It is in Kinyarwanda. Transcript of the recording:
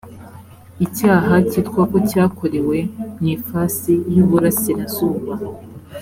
icyaha cyitwa ko cyakorewe mu ifasi y uburasirazuba